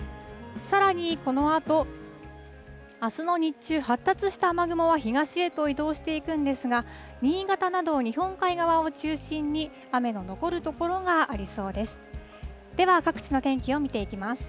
さらにこのあと、あすの日中、発達した雨雲は東へと移動していくんですが、新潟など日本海側を中心に、雨の残る所がありそうです。